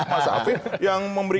mas afi yang memimpin